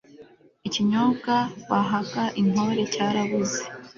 ikinyobwa bahaga intore cyarabuze